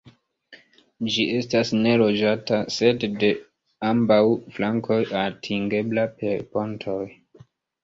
Ĝi estas neloĝata, sed de ambaŭ flankoj atingebla per pontoj.